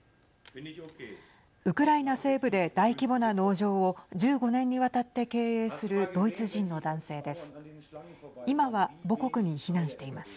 ウクライナ西部で大規模な農場を１５年にわたって経営するドイツ人の男性です。